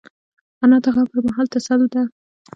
انا د غم پر مهال تسل ده